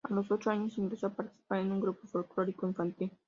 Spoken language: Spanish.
A los ocho años, ingresó a participar en un grupo folclórico infantil.